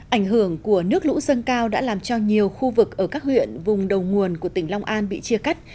ảnh hưởng của nước lũ dâng cao đã làm cho nhiều khu vực ở các huyện vùng đầu nguồn của tỉnh long an bị chia cắt